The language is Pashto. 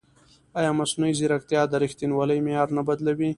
ایا مصنوعي ځیرکتیا د ریښتینولۍ معیار نه بدلوي؟